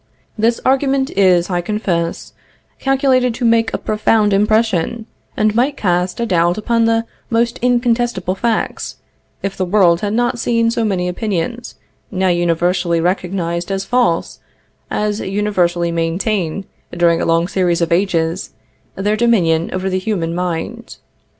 This argument is, I confess, calculated to make a profound impression, and might cast a doubt upon the most incontestable facts, if the world had not seen so many opinions, now universally recognized as false, as universally maintain, during a long series of ages, their dominion over the human mind.